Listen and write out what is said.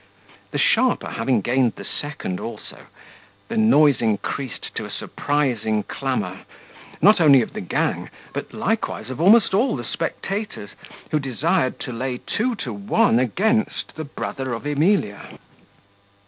The sharper having gained the second also, the noise increased to a surprising clamour, not only of the gang, but likewise of almost all the spectators, who desired to lay two to one against the brother of Emilia.